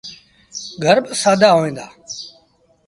گھر با سآدآ هوئيݩ دآ۔